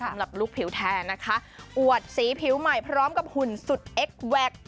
ลูกผิวแทนนะคะอวดสีผิวใหม่พร้อมกับหุ่นสุดเอ็กแวค